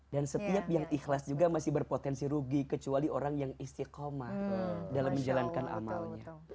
dan setiap yang ikhlas juga masih berpotensi rugi kecuali orang yang istiqomah dalam menjalankan amalnya